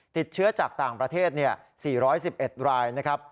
ติดเชื้อจากต่างประเทศ๔๑๑รายนะครับ